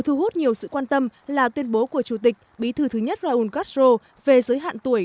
này góp nhiều sự quan tâm là tuyên bố của chủ tịch bí thư thứ nhất raul castro về giới hạn tuổi